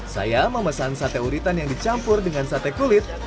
saya memesan sate uritan yang dicampur dengan sate kulit